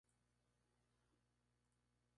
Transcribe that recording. Tiene como límites al Norte Av.